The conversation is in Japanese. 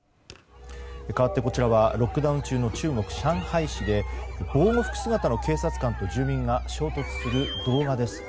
かわって、こちらはロックダウン中の中国・上海市で防護服姿の警察官と住民が衝突する動画です。